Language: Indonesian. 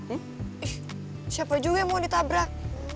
ih siapa juga yang mau ditabrak